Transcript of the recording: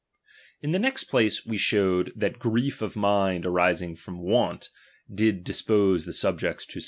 In the next place we showed, that guief of chap, xiii, miad arising from want did dispose the subjects to ^ „g